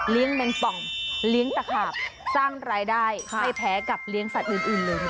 แมงป่องเลี้ยงตะขาบสร้างรายได้ไม่แพ้กับเลี้ยงสัตว์อื่นเลย